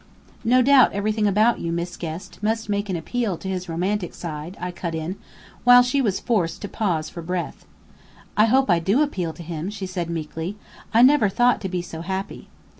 "No doubt everything about you, Miss Guest, must make an appeal to his romantic side," I cut in, while she was forced to pause for breath. "I hope I do appeal to him," she said, meekly, "I never thought to be so happy."